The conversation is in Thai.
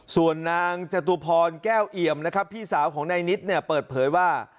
ส่วนนางจตุพรแก้วเอี่ยมนะครับพี่สาวของนายนิดเนี่ยเปิดเผยว่า